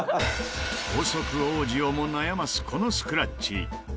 法則王子をも悩ますこのスクラッチ。